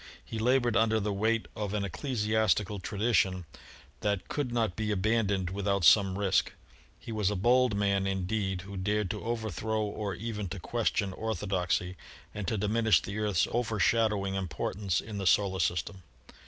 He labored under the weight of an ecclesiastical tradition that could not be abandoned without some risk. He was a bold man indeed who dared to overthrow or even to question orthodoxy and to diminish the Earth's overshadowing importance in the Solar System.